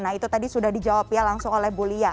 nah itu tadi sudah dijawab ya langsung oleh bu lia